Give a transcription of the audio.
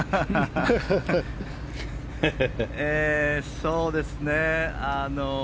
そうですね。